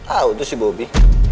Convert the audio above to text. ah itu si bobby